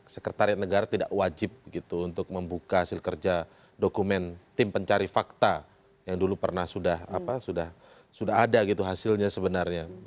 sekretariat negara tidak wajib gitu untuk membuka hasil kerja dokumen tim pencari fakta yang dulu pernah sudah ada gitu hasilnya sebenarnya